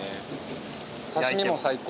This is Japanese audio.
刺し身も最高。